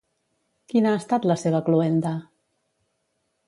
Quina ha estat la seva cloenda?